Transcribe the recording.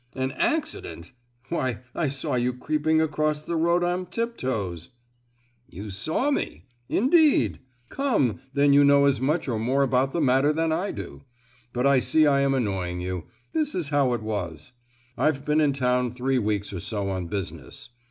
"An accident! Why, I saw you creeping across the road on tip toes!" "You saw me? Indeed! Come, then you know as much or more about the matter than I do; but I see I am annoying you. This is how it was: I've been in town three weeks or so on business.